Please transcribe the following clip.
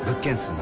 何？